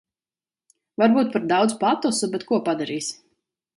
Varbūt par daudz patosa, bet ko padarīsi.